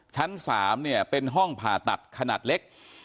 ชั้น๓เนี่ยเป็นห้องผ่าตัดขนาดเล็ก